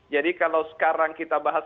jadi kalau sekarang kita bahas